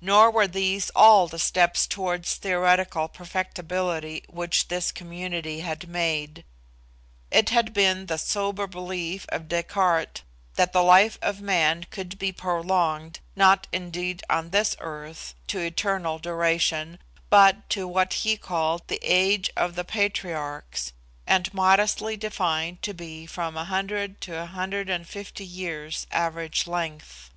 Nor were these all the steps towards theoretical perfectibility which this community had made. It had been the sober belief of Descartes that the life of man could be prolonged, not, indeed, on this earth, to eternal duration, but to what he called the age of the patriarchs, and modestly defined to be from 100 to 150 years average length.